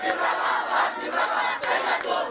tiap pagi tak